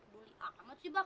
bully akal banget sih bah